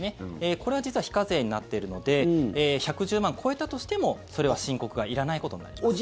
これは実は非課税になっているので１１０万超えたとしても、それは申告がいらないことになります。